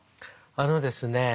あのですね